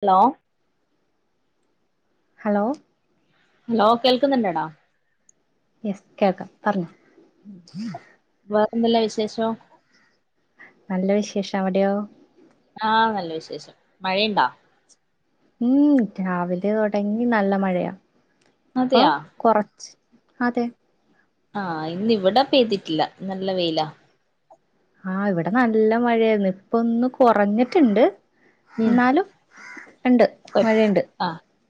Hello hello hello കേൾക്കുന്നുണ്ടടാ? Yes കേൾക്കാം പറഞ്ഞോ [unintelligible] എന്തല്ല വിശേഷോ നല്ല വിശേഷ അവിടെയോ ആഹ് നല്ല വിശേഷം മഴണ്ടാ മ് രാവിലെ തുടങ്ങി നല്ല മഴയാ ഇപ്പൊ അതെയാ കൊറച്ച് അതെ ആഹ് ഇന്ന് ഇവിടെ പെയ്തിട്ടില്ല നല്ല വെയിലാ ആഹ് ഇവിടെ നല്ല മഴരുന്നു ഇപ്പ ഒന്ന് കുറഞ്ഞിട്ടുണ്ട് ഉം എന്നാലും ഇണ്ട് മഴണ്ട്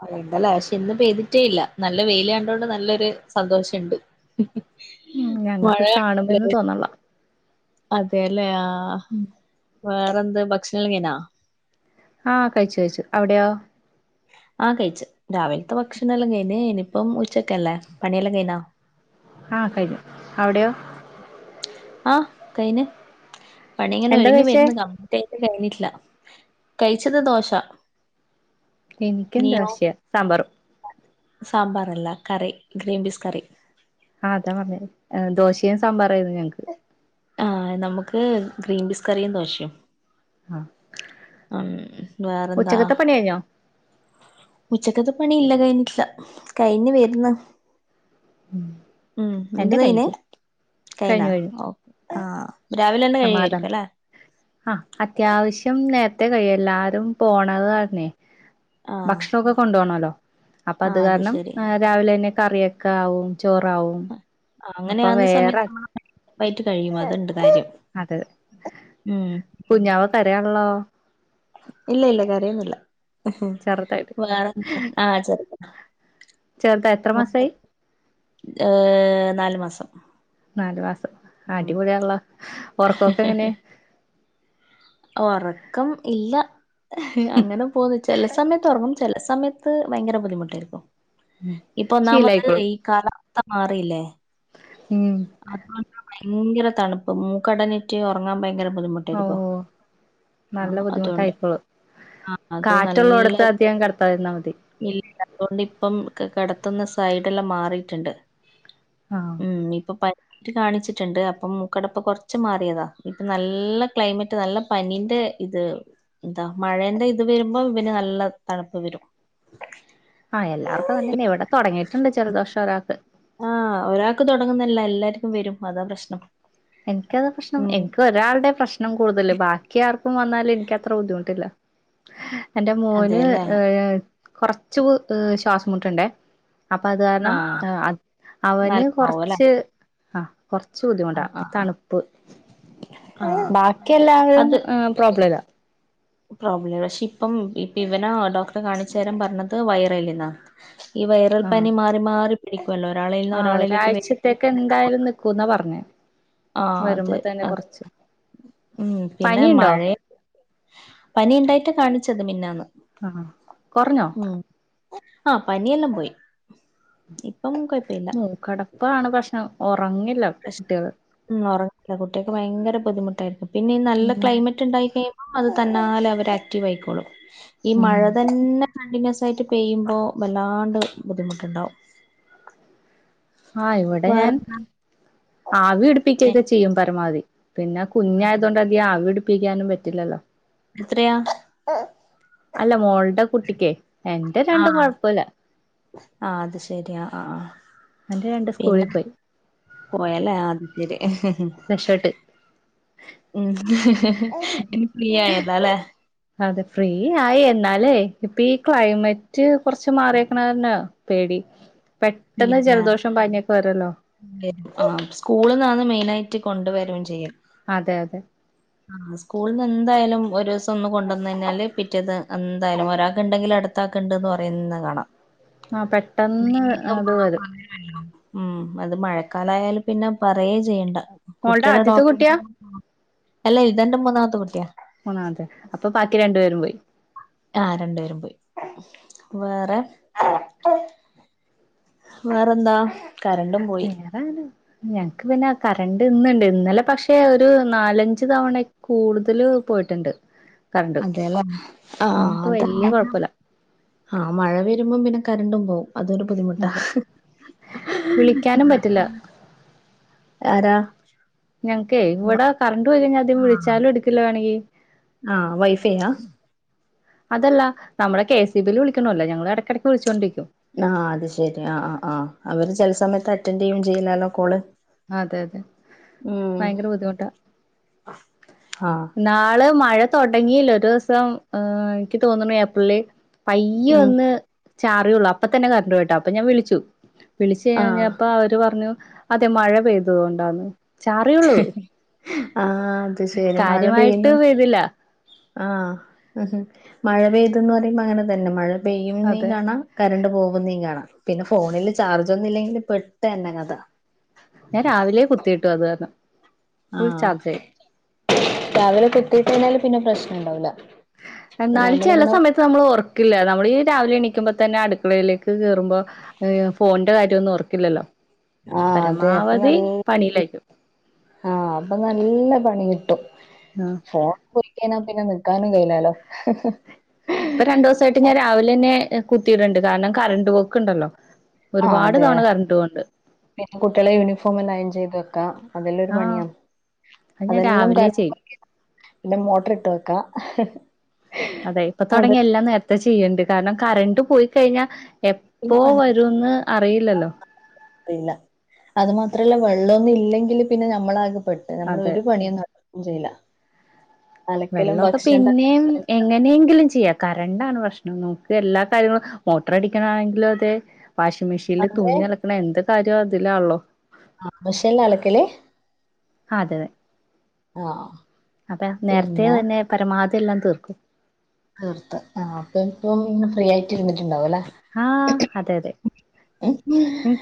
മഴ ഇണ്ടല്ല പക്ഷെ ഇന്ന് പെയ്തിട്ടേ ഇല്ല നല്ല വെയിലാണ്ടോണ്ട് നല്ലൊരു സന്തോഷണ്ട് മ് മഴ ഞങ്ങക്ക് കാണുമെന്ന് കണ്ടില്ലേ? തോന്നള അതെല്ലേ ആഹ് ആ വേറെന്ത് ഭക്ഷണം കഴിഞാ ആഹ് കഴിച്ചു കഴിച്ചു അവിടെയോ ആ കഴിച്ചു രാവിലത്തെ ഭക്ഷണം എല്ലാം കഴിഞ്ഞു ഇനിയിപ്പം ഉച്ചക്കല്ലേ പണിയെല്ലാം കഴിഞ്ഞോ ആ കഴിഞ്ഞു അവിടെയോ ആ കഴിഞ്ഞ് പണി ഇങ്ങനെ എന്താ ഒതുങ്ങി കഴിച്ചേ വരുന്നു കംപ്ലീറ്റ് ആയി കഴിഞ്ഞിട്ടില്ല കഴിച്ചത് ദോശ എനിക്കും നീയോ ദോശയാ സാമ്പാറും സാമ്പാറല്ല കറി ഗ്രീൻ പീസ്‌കറി ആ അതാ പറഞ്ഞത് ദോശയും സമ്പാറായിരുന്നു ഞങ്ങക്ക് ആ നമുക്ക് ഗ്രീൻപീസ് കറിയും ദോശയും ആ ഉം വേറെന്താ പണി കഴിഞ്ഞോ ഉച്ചക്കത്ത പണി ഇല്ല കഴിഞ്ഞിട്ടില്ല കഴിഞ്ഞ് വരുന്നു ഉം, ഉം എന്റെ നിന്റത് കയിഞ്ഞോ കഴിഞ്ഞു കഴിഞ്ഞ ഓ ആ രാവിലെ തന്നെ കഴിയുമായിരിക്കും സമാധാനം അല്ലെ ആ അത്യാവശ്യം നേരത്തെ കയിയോല്ലോ എല്ലാരും പോണത് കാരണെ ആ ഭക്ഷണൊക്കെ കൊണ്ടു പോണല്ലോ അപ്പൊ ആ അത് കാരണം ശരി രാവിലെ തന്നെ കറിയൊക്കെ ആവും ചോറാവും അങ്ങനെ അപ്പൊ ആവുന്ന സമയത്ത് വേറെ നമ്മള പെട്ടന് കഴിയും അതുണ്ട് കാര്യം അതെ കുഞ്ഞാവ കരയാണല്ലോ ഇല്ല ഇല്ല കരയുന്നില്ല ചെറുതായിട്ട് വേറെ എന്താ ആ ചെറുത് ചേറുതാ എത്ര മാസായി ഏഹ നാലു മാസം നാല് മാസം ഉം അടിപൊളിയാണല്ല ഉറക്കൊക്കെ എങ്ങനെ ഉറക്കം ഇല്ല അങ്ങനെ പോകുന്നു ചില സമയത്ത് ഉറങ്ങും സമയത്ത് ഭയങ്കര ബുദ്ധിമുട്ടായിരിക്കും ഇപ്പൊ ഒന്നാമത് ശീലായിക്കോളും ഈ കാല മാറിയില്ലേ ഉം അത ഭയങ്കര തണുപ്പ് മൂക്കടഞ്ഞിട്ട് ഉറങ്ങാൻ ഭയങ്കര ഓ [unintelligible] ആ നല്ല അതുകൊണ്ട് ബുദ്ധിമുട്ടായിക്കോളു അത് നല്ല കാറ്റുള്ളടത്ത് അധികം കെടത്താതിരുന്നാ മതി ഇല്ല. അതുകൊണ്ട് ഇപ്പം കെടത്തുന്ന സൈഡ് എല്ലാം മാറിട്ടുണ്ട് ആഹ് ഉം ഇപ്പൊ പ [unintelligible] കാണിച്ചിട്ടുണ്ട് അപ്പം മൂക്കടപ്പ്‌ കൊറച്ച് മാറിയതാ ഇപ്പം നല്ല ക്ലൈമറ്റ് ത് നല്ല പനീന്റെ ഇത് എന്താ മഴേന്റെ ഇത് വരുമ്പോം ഇവന് നല്ല തണുപ്പ് വരും ആഹ് എല്ലാർക്കും തന്നെ ഇവിടെ തൊടങ്ങിട്ടുണ്ട് ജലദോഷം ഒരാക്ക് ആ ഒരാൾക്ക് തൊടങ്ങുന്നല്ല എല്ലാർക്കും വരും അതാ പ്രശ്നം എനിക്കത് പ്രശ്നം ഉം എനിക്ക് ഒരാളുടെ പ്രശ്നം കൂടുതല് ബാക്കി ആർക്കും ഇപ്പം വന്നാല എനിക്ക് അത്ര ബുദ്ധിമുട്ടില്ല എന്റെ മോന് അതെല്ലേ ഏ കൊറച്ച് [unintelligible] ശ്വാസംമുട്ടുണ്ടേ അപ്പൊ അത് കാരണം ആഹ് അവന് നല്ലതാവുംല്ലേ കൊറച്ച് ആ കൊറച്ച് ബുദ്ധിമുട്ടാ ആഹ് ആഹ് തണുപ്പ് ആഹ് ബാക്കി എല്ലാവരും അത് പ്രോബ്ലം ഇല്ല പ്രോബ്ലം പക്ഷെ ഇപ്പം ഇപ്പ ഇവന ഡോക്ടറെ കാണിച്ച തരം പറഞ്ഞത് വയറല്ലന്നാ ഈ വയറൽ പനി മാറി മാറി പിടിക്കുമല്ലോ ഒരാളെന്ന് ആ ഒരാളിലേക്ക് വ ഒരാഴ്ചത്തേക്ക് എന്തായാലും നിക്കൂന്നാ പറഞ്ഞേ ആ അതെ വരുമ്പോ തന്നെ അതെ കൊറച്ച് ഉം പിന്നെ പനിയുണ്ടോ മഴയ പനി ഉണ്ടായിട്ട് കാണിച്ചത് മിനിഞ്ഞാന്ന് ആഹ് കൊറഞ്ഞോ ഉം ആ പനിയെല്ലാം പോയി ഇ മൂക്കടപ്പാണ് ഭക്ഷണം [unintelligible] ഉം ഒറങ്ങില്ല കുട്ട്യാക്ക് ഭയങ്കര ബുദ്ധിമുട്ട് ട്ടായിരിക്കും പിന്നെ ഈ നല്ല ഉം ക്ലൈമറ്റ് ഉണ്ടായി കഴി അത് തന്നാലെ അവര് ആക്റ്റീവ് ആയിക്കോളും ഈ ഉം മഴ തന്നെ കണ്ടിന്യൂസ് ആയിട്ട് പെയ്യുമ്പോ വല്ലാണ്ട് ബുദ്ധിമുട്ടുണ്ടാവും ആഹ് ഇവിടെ വേറെ ഞാൻ ആവി ഏഹ് പിടിപ്പിക്കൊക്കെ ചെയ്യും പരമാവധി പിന്നെ കുഞ്ഞായത കൊണ്ട് അധികം ആവി പിടി പപ്പിക്കാനും പറ്റില്ലല്ലോ എത്രയാ അല്ല മോൾ എന്റെ കുട്ടിക്കേ എന്റെ രണ്ട ആഹ്. കൊഴപ്പില്ല ആഹ് അത് ശരി. ആഹ് ആഹ് ആഹ്. എന്റെ രണ്ട് സ്കൂളിൽ പോയി പോയലേ അത് ശ രക്ഷപ്പെട്ട് ഉ എനി പ്രിയായുന്നാലേ അതെ ഫ്രീ ആയി എന്നാലേ ഇപ്പ ഈ ക്ലൈമറ്റ് കൊറച്ച് മാറിയേക്കണ തന്നാ പേടി ഫ്രീ പെട്ടെന്ന് ജലദോഷം പഞ്ഞൊക്കെ വരല്ലോ ആ സ്കൂളിൽ നിന്നാണ് മെയിന ആയിട്ട് കൊണ്ടുവരയും ചെയ്യും അതെ അതെ ആ സ്കൂളിൽന്ന് എന്തായാലും ഒരു ദിവസം ഒന്ന് കൊണ്ടുവന്നു കഴിാല് പിറ്റേത് എന്തായാലും ഒരാൾ ഉണ്ടെങ്കിൽ അടുത്ത് ത്താക്കണ്ട്ന്ന് പറയുന്ന കാണാം ആ പെട്ടെന്ന് അത് ആ വരും ഉം അത് മഴക്കാലായാലും പിന്നെ പറയേ ചെയ്യണ്ട മോളുടെ കുട്ടികുടെ ആദ്യത്തെ ഡോക്ടർ കുട്ടിയാ എല്ലാ ഇതന്റെ മൂന്നാമത്തെ കുട്ടിയാ മൂന്നാമത്തെ അപ്പൊ ബാക്കി രണ്ടുപേരും പോയി ആ രണ്ടുപേരും പോയി വേറെ വേറെന്താ കരണ്ടും പോയി നേരാണ് ഞ പിന്നെ കറണ്ട് ഇന്നുണ്ട് ഇന്നലെ പക്ഷെ ഒരു നാലഞ്ച് തവണ കൂടുതൽ പോയിട്ടുണ്ട് കറണ്ട് അതെല്ലേ ആ ഇന്നിപ്പോ അത വല്യ കൊഴപ്പല്ല ആഹ മഴ വരുമ്പോം പിന്നെ കരണ്ടും പോകവും അതൊരു ബുദ്ധിമുട്ടാ അതെ വിളിക്കാനും പറ്റില്ല ആരാ ഞങ്ങക്ക് ഇവിടെ കറണ്ട് പോയി കഴിഞ്ഞാ ആദ്യം വിളിച്ചാലും എടുക്കില്ല വേണോങ്കി ആ വൈഫൈയാ അതല്ല നമ്മുടെ കെ സി ബി യിൽ വിളിക്കണല്ലോ ഞങ്ങള് ഇടയ്ക്കിടയ്ക്ക് വിളിച്ചോണ്ടിരിക്കും ആ അത് ശെരി ആ ആ ആഹ് അവര് ചില സമയത്ത് അ- അറ്റന്റ്ഡ് ചെയ്യുകയും ചെയ്യില്ലല്ലോ കോള് അതെ അതെ ഉം ഭയങ്കര ബുദ്ധിമുട്ടാ ആഹ് നാളെ മഴ തുടങ്ങിയില്ല ഒരു ദിവസം എനിക്ക് തോന്നുന്നു ഏപ്രില് പയ്യെ ഉം ഒന്ന് ചാറിയള്ളൂ അപ്പൊ തന്നെ കറണ്ട് പോയിട്ടാ അപ്പൊ ഞാൻ വിളിച്ചു വിളിച്ച് ആഹ് കഴിഞ്ഞപ്പോ അവര് പറഞ്ഞു അതെ മഴ പെയ്തത് കൊണ്ടാന്ന് ചാറിയള്ളു ആഹ് അത് ശരി കാര്യമായിട്ട് പെയ്തില്ല ആ് ഉം മഴ പെയ്തുന്ന് പറയുമ്പോ അങ്ങനെ തന്നെ മഴ അതെ പെയ്യുന്നേംകാണാം കരണ്ട് പോകുന്നേം കാണാം പിന്നെ ഫോണില് ചാർജ് ഒന്നും ഇല്ലെങ്കില് പെട്ട് തന്നെ കഥ ഞാൻ രാവിലെ കുത്തിയിട്ടു അത് കാരണം ആ ഫുൾ ചാർജായി രാവിലെ കുത്തിയിട്ട് കഴിഞ്ഞാല് പിന്നെ പ്രശ്നണ്ടാവില്ല എന്നാലും ചില സമയത്ത് നമ്മൾ ഓർക്കില്ല നമ്മൾ ഈ രാവിലെ എണീക്കുമ്പ തന്നെ അടുക്കളയിലേക്ക് കേയറുമ്പോ ഫോണന്റെ കാര്യമൊന്നും ഓർക്കില്ലല്ലോ ആ അതെ അപ്പൊ പരമാവധി നല്ല പണിയിലായിരിക്കും ആ അപ്പൊ നല്ല പണി കിട്ടും ട്ടോ ആഹ് ഫോൺ പോയിട്ടനാ പിന്നെ ക്കാനും കഴിയില്ലാലോ ഇപ്പൊ രണ്ടു ദിവസമായിട്ട് ഞാൻ രാവിലെ തന്നെ കുത്തിയിടണ്ടുണ്ട് കാരണം കറണ്ട് പോക്കുണ്ടല്ലോ ആ ഒരുപാട് അതെ തവണ കറണ്ട് പോണ്ട് പിന്നെ കുട്ടികളെ യൂണിഫോം എല്ലാം അയൺ ചെയ്ത് വെക്കാം അതെല്ലാം ഒരു ആഹ് പണിയാണ് അത് ഞാൻ അതെല്ലാം രാവിലെ കരണ്ട് ചെയ്യും നോക്കി മോട്ടർ ഇട്ട് വെക്കാം അതെ ഇപ്പൊ തുടങ്ങിയ എല്ലാം നേരത്തെ ചെയ്യണ്ട് കാരണം കറണ്ട് പോയി കഴിഞ്ഞാൽ പിന്നെ എപ്പോ പണി വരൂന്ന് അറിയില്ലല്ലോ ഇല്ല അത് മാത്രല്ല വെള്ളമൊന്നും ഇല്ലെങ്കിൽ പിന്നെ നമ്മളാകെ െട്ട് നമ്മൾ അതെ ഒരു പണിയൊന്നും നടക്കം ചെയ്ല വെള്ളമൊക്കെ പിന്നെയ എങ്ങനെയെങ്കിലും ചെയ്യ കറണ്ടാണ് പ്രശ്നം നമുക്ക് എല്ലാ കാര്യങ്ങളും മോട്ടർ അടിക്കണാണെങ്കിലും അതെ വാഷിംഗ മെഷീില്ൽ അതെ തുണി നളക്ക എന്ത കാലം അതിലാ ഉള്ളോ ആ മെഷീൻ അലകള് അതെതെ അപ്പൊ നേരത്തെ പിന്നെ തന്നെ പരമാത് അതെല്ലാം തീർക്കും തീർത്ത ആഹ അപ്പൊ ഇപ്പ ഇെ റാക്റ്റ്്ന്നട്ടണ്ടുംല്ലേ ആഹ അതെ അതെ [unintelligible]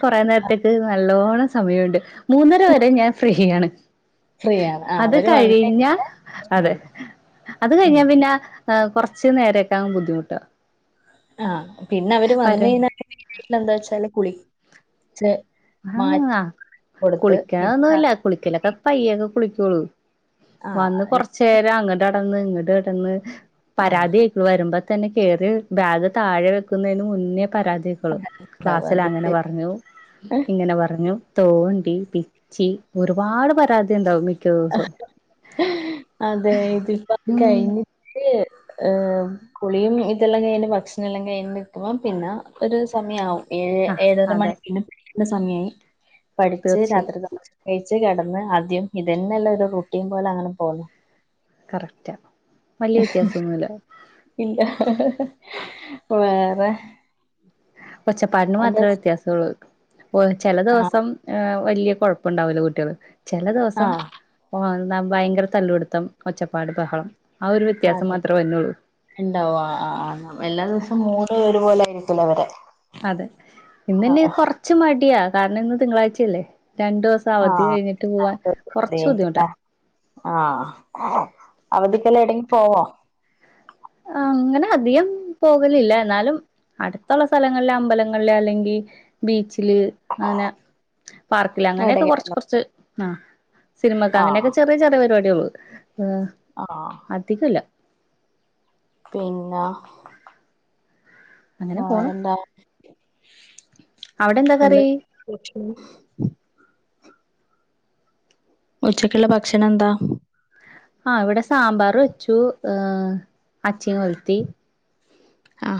കുറെ നേരത്തേക്ക് നല്ലോണം സമയമുണ്ട് മൂന്നര വരെ ഞാൻ ഫ്രീയാണ് ഫ്രീ ആണ് ആ അത് അവര് വന്നേ കഴിഞ്ഞ അതെ ഉള്ളൂ അത് കഴിഞ്ഞ ഉം. പിന്നെ ആ കുറച്ച് നേരൊക്കാങ് ബുദ്ധിമുട്ടാ ആഹ് പിന്നെ അവര് വന്ന വരാൻ കഴിഞ്ഞാൽ വീ എന്താ വച്ചാല് കുളി ആഹ് കൊടുത്ത് പിന്നെ കുളിക്കണന്നുമല്ല കുളിക്കലൊക്കെ പയ്യങ് കുളി തുള് ആ വന്ന് കൊറച്ചേരം അങ്ങ ങ് ഇങ്ങോട്ടടന്ന് ആ പരാതിയേക്കു വരുമ്പ തന്നെ കറി ബാഗ് താഴെ വെക്കുന്നതിന് മുന്നേ പരാതികളും ഉണ്ടാവും ക്ലാസ്സില അതിട്ട് അങ്ങനെ പറഞ്ഞു പറഞ്ഞു തോണ്ടി പിച്ചി ഒരുപാട് പരാതി ഉണ്ടാവും ദിവസവും അതെ ഇത്പ്പ ഉം കഴഞ്ഞി്ട്ട് കുളിയും ഇതെല്ലാം കഴിഞ്ഞ് ഭക്ഷണല്ലാം കഴിഞ്ഞു നിൽക്കുമ്പ പിന്നെ ഒരു സമയമാവും ഏ ആഹ് ഏഴര അതെ മണിക്കിനും എ സമയായി പഠിച്ച് തീർച്ചയായും രാത്രി നമ കഴ ച്ച് കടന്ന് ആദ്യം ന്നെല്ല ഒരു റുട്ടീം പോലെ അങ്ങനെ പോണം കറക്റ്റാ വലിയ വ്യത്യാസൊന്നുല്ല ഇല്ല വേറെ കൊച്ചപ്പാടിന് എന്താ മാത്രേ വ്യത്യാസമുള്ളള്ളൂ പോയ്‌ ചില ആഹ് ദിവസം ങ്ങ വലിയ കുഴപ്പുണ്ടാവില്ല കുട്ട്യള് ചെല ദിവസം ആഹ് പോവാൻ എന്ന ഭയങ്കര തല്ലുപിടുത്തം ഒച്ചപ്പാട് ബഹളം ആ ഒരു വ്യത്യാസം അതെ മാത്രേ വര്നൊള്ളൂ ണ്ടാവും ആ ആ എല്ലാ ദിവസവും മൂട് ഒരു പോലെയി ത്ത്ന്നവരെ അതെ ഇന്ന് നി കൊറച്ച് മടിയാ കാരണം ഇന്ന് തിങ്കളാഴ്ചയല്ലേ രണ്ടു ദിവസം അവധി ആഹ് കഴിഞ്ഞിട്ട് പോവാൻ കുറച്ച ബുദ്ധിമുട്ടാ ആ അവധിക്കല്ല എടങ്കി പോവോ അങ്ങനെ അധികം പോകലില്ല എന്നാലും അടുത്തുള്ള സ്ഥലങ്ങളിലെ അമ്പലങ്ങളില് അല്ലെങ്കി ബീച്ച് ല് അനെ പാർക്കില് അങ്ങനെയൊക്കെ കൊറച്ച് എടെങ്കിലും കുറച്ച് ആ സിനിമയ്ക്ക അങ്ങനെ ആഹ് ചെറിയ ചെറിയ പരുപ ആഹ് [unintelligible] അധികല്ല പിന്ന വറെന്താ അവടെ എന്താ കറി ഉ ഉച്ചക്ള്ള ഭക്ഷണം എന്താ ആ ഇവിടെ സാമ്പാർ വെച്ചു ഏ അച്ചി കൊലുത്തി ആ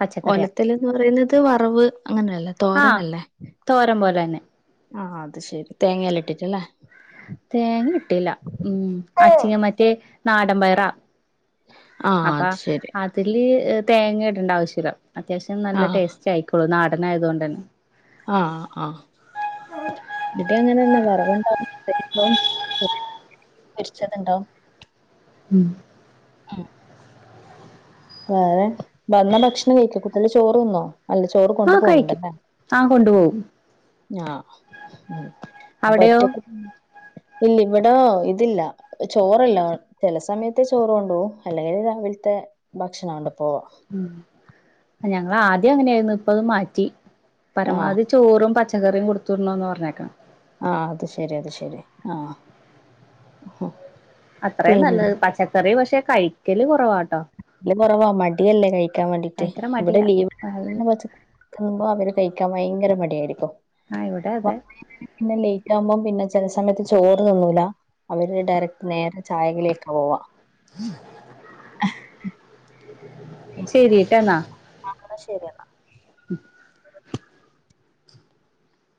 പച്ചക്കറിയാ ഓലത്തൽന്ന് പറയുന്നത് വറവ് അങ്ങനെയല്ലേ ആ തോരനല്ലേ തോരൻ പോലെ തന്നെ ആ അത് ശെരി തേങ്ങല്ല ഇട്ടിട്ടല്ലേ തേങ്ങ കിട്ടില്ല ഉം അച്ചങ്ങ മറ്റേ നാടൻമ്പയറാ ആഹ് അപ്പ അത് ശരി അതില് തേങ്ങ ഇടണ്ട ആവശ്യല്ലം അത്യാശ്യം നല്ല ആഹ് ടേസ്റ്റ് ആയിക്കുള്ളൂ നാ ട്ട ആയത കൊണ്ട് തന്നെ ആ ആ ഇവി ടെ അങ്ങനെന്ന വറവുണ്ടാവും പൊരി ച്ചതുണ്ടാവും ഉം വേറെ വന്ന ഭക്ഷണം കഴിക്കോ കുട്ടികള് ചോറ് ന്നോ ആ കഴിക്കും ആ കൊണ്ടുപോകും ഞാ ഉം അപ്പൊ അവിടെയോ ഒറ്റക്ക ഇല്ല ഇവിട ഇതില്ല ചോറല്ല ചില സമയത്തെ ചോറ കൊണ്ട അല്ലെങ്കിൽ രാവിലത്തെ ഭക്ഷണ ഉണ്ട ഓ... ഞങ്ങ ആദ്യം അങ്ങനെയായിരുന്നു ഇപ്പ ത് മാറ്റി. ആഹ് പരമാവധി ചോറും പച്ച ചെക്കറിയ കൊടുത്തിരണോന്ന് പറഞ്ഞേക്കാം ആഹ അത് ശെരി അത് ശരി ആഹ അത്രേ നല്ല പാച്ചചക്കറി പക്ഷെ.. കഴിക്കല് കുറവാട്ടോ. നല്ല കുറവാ മടിയല്ലേ കഴിക്കാൻ വേണ്ടിട്ട് ഭയങ്കര ഇവിടെ മടിയാ ലീവ് ആഹ് പുമ്പോ അവർ കഴിക്കാൻ ഭയങ്കര മടിയായിരിക്കും.. ഇവിടെ അതെ പിന്നെ ലേറ്റ് ആവുമ്പോം പിന്നെ ചില സമയത്ത് ചോറ് നിന്നൂല അവര് ഡയറക്ട് നേരെ ചായകളൊക്കെ പോവാ.. [inaudible] ശരിട്ടണന്നാ.. എന്ന ശരിയെന്നാ.